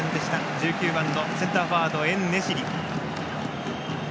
１９番、センターフォワードのエンネシリ。